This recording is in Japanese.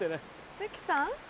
関さん？